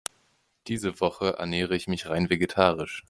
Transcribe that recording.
Diese Woche ernähre ich mich rein vegetarisch.